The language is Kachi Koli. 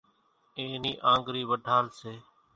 اين نِي آنڳرِي وڍال سي۔